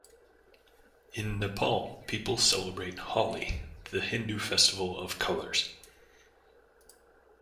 In Nepal, people celebrate Holi, the Hindu festival of colours.